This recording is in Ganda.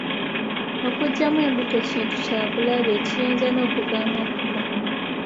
Okuggyamu embuto kintu kya bulabe, ekiyinza n'okuvaamu okufa.